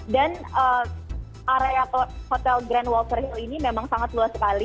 dan area hotel grand water hill ini memang sangat luas sekali